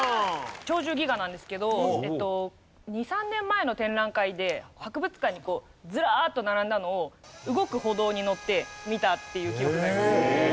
『鳥獣戯画』なんですけど２３年前の展覧会で博物館にこうずらっと並んだのを動く歩道にのって見たっていう記憶があります。